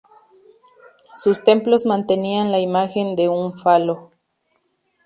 Sus templos mantenían la imagen de un falo.